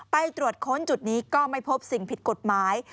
ไปตรวจค้นจุดนี้ก็ไม่พบสิ่งผิดกฎหมาย